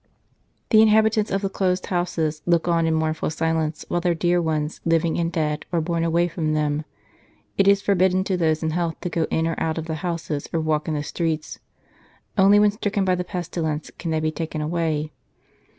The inhabitants of the closed houses look on in mournful silence while their dear ones, living 149 St. Charles Borromeo and dead, are borne away from them. It is for bidden to those in health to go in or out of the houses or walk in the streets ; only when stricken by the pestilence can they be taken away.